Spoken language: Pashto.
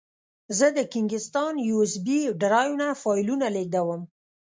زه د کینګ سټان یو ایس بي ډرایو نه فایلونه لېږدوم.